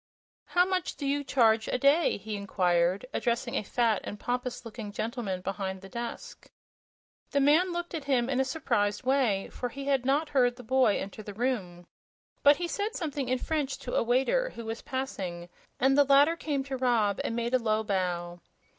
"How much do you charge a day?" he inquired, addressing a fat and pompous looking gentlemen behind the desk. The man looked at him in a surprised way, for he had not heard the boy enter the room. But he said something in French to a waiter who was passing, and the latter came to Rob and made a low bow.